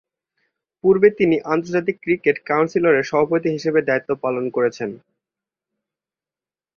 পূর্বে তিনি আন্তর্জাতিক ক্রিকেট কাউন্সিলের সভাপতি হিসেবেও দায়িত্ব পালন করেছেন।